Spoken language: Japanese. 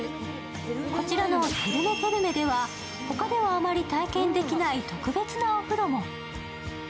こちらのテルメテルメでは他ではあまり体験できない特別なお風呂も。